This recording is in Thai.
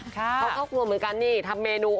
เขาก็กลัวเหมือนกันนี่ทำเมนู